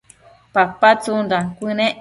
papa tsundan cuënec